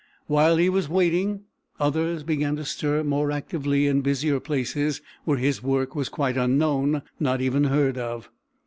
While he was waiting, others began to stir more actively in busier places, where his work was quite unknown, not even heard of.